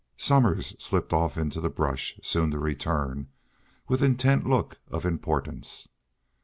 Somers slipped off into the brush, soon to return, with intent look of importance.